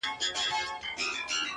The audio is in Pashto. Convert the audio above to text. پرېميږده _ پرېميږده سزا ده د خداى _